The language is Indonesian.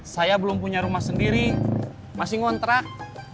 saya belum punya rumah sendiri masih ngontrak